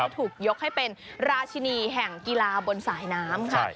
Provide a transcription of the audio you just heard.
ถูกยกให้เป็นราชินีแห่งกีฬาบนสายน้ำค่ะ